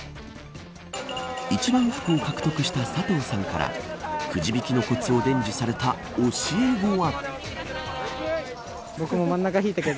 一番福を獲得した佐藤さんからくじ引きのこつを伝授された教え子は。